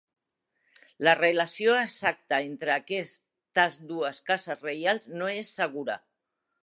La relació exacta entre aquestes dues cases reials no és segura.